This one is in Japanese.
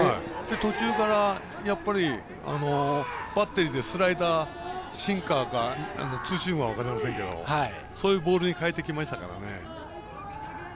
途中からやっぱりバッテリーでスライダーシンカーかツーシームか分かりませんけどそういうボールに変えてきましたからね。